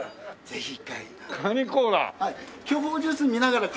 ぜひ。